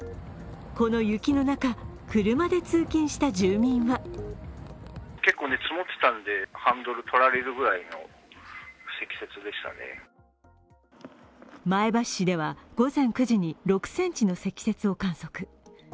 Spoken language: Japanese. この雪の中、車で通勤した住民は前橋市では午前９時に６ｃｍの積雪を観測。